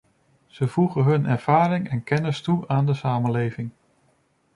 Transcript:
Ze voegen hun ervaringen en kennis toe aan de samenleving.